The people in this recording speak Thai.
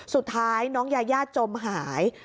สุดท้ายน้องยายาจมหาย